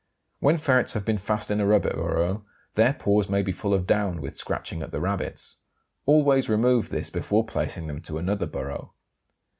When ferrets have been fast in a rabbit burrow, their paws may be full of down with scratching at the rabbits. Always remove this before placing them to another burrow.